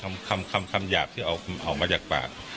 มันก็มีคำหยาบที่ออกมาจากปาก